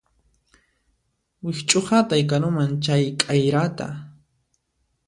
Wikch'uhatay karuman chay k'ayrata